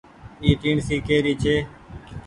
اي ٽيڻسي ڪي ري ڇي۔